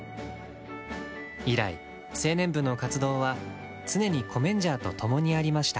以来青年部の活動は常にコメンジャーと共にありました。